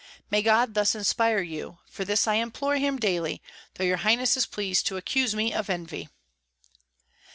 May God thus inspire you; for this I implore him daily, though your highness is pleased to accuse me of envy.